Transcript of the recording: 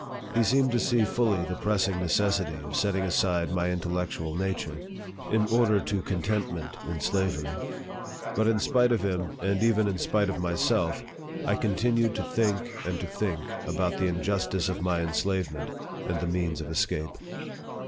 He seemed to see fully the pressing necessity of setting aside my in tellectual nature, in order to contentment in slavery. But in spite of him, and even in spite of myself, I con tinued to think, and to think about the injustice of my enslavement, and the means of escape.